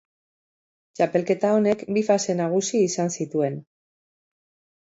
Txapelketa honek bi fase nagusi izan zituen.